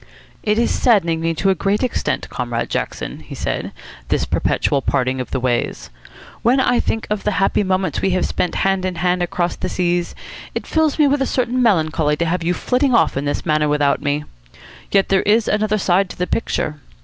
"It is saddening me to a great extent, Comrade Jackson," he said, "this perpetual parting of the ways. When I think of the happy moments we have spent hand in hand across the seas, it fills me with a certain melancholy to have you flitting off in this manner without me. Yet there is another side to the picture.